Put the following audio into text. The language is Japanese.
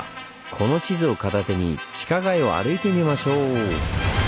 この地図を片手に地下街を歩いてみましょう！